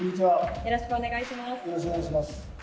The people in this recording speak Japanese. よろしくお願いします。